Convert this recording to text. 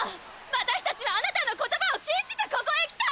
私達はあなたの言葉を信じてここへ来た！